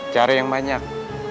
cari yang banyak